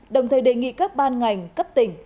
đồng thời đề nghị các ban ngành cấp tỉnh